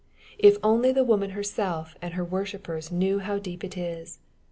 If only the woman herself and her worshipers knew how deep it is!